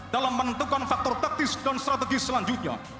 dalam menentukan faktor taktis dan strategis selanjutnya